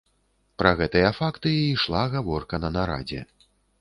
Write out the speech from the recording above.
Пра гэтыя факты і ішла гаворка на нарадзе.